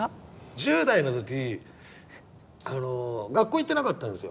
１０代の時あの学校行ってなかったんですよ。